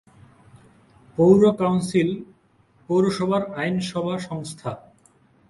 পৌর কাউন্সিল পৌরসভার আইনসভা সংস্থা।